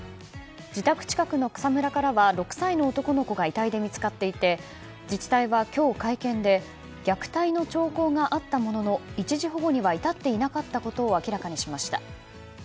自宅近くの草むらからは６歳の男の子が遺体で見つかっていて自治体は今日、会見で虐待の兆候があったものの一時保護には至っていなかったことを明らかにしました。